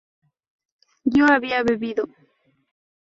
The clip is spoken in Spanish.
¿yo había bebido?